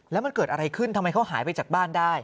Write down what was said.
แล้วมันเกิดอะไรขึ้นทำไมเขาหายไปจากบ้านได้